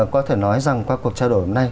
có thể nói rằng qua cuộc trao đổi hôm nay